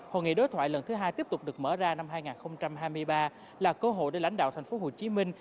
hội nghị đối thoại lần thứ hai tiếp tục được mở ra năm hai nghìn hai mươi ba là cơ hội để lãnh đạo thành phố hồ chí minh